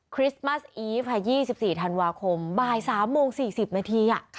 คริสต์มัสอีฟค่ะ๒๔ธันวาคมบ่าย๓โมง๔๐นาที